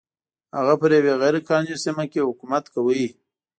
هغه پر یوې غیر قانوني سیمه کې حکومت کاوه.